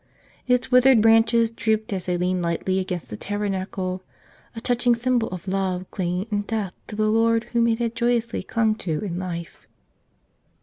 Its withered branches drooped as they leaned lightly against the tabernacle, a touching symbol of love clinging in death to the Lord Whom it had joyously clung to in life.